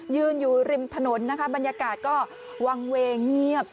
ยืนอยู่ริมถนนนะคะบรรยากาศก็วางเวงเงียบ